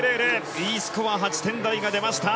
Ｅスコア８点台が出ました。